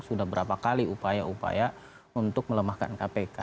sudah berapa kali upaya upaya untuk melemahkan kpk